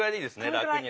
楽に。